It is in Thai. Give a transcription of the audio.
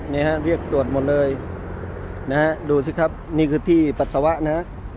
นี่ฮะเรียกตรวจหมดเลยนะฮะดูสิครับนี่คือที่ปัสสาวะนะ